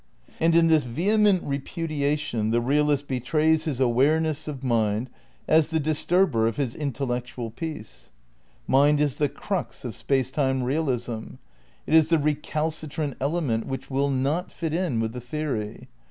And in this vehement repudiation the realist betrays his awareness of mind as the disturber of his intellec tual peace. Mind is the crux of Space Time realism. It is the recalcitrant element which will not fit in with the theory.